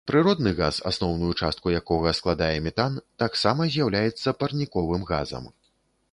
Прыродны газ, асноўную частку якога складае метан, таксама з'яўляецца парніковым газам.